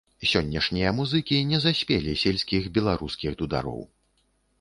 Сённяшнія музыкі не заспелі сельскіх беларускіх дудароў.